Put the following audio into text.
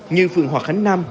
như phường hòa khánh nam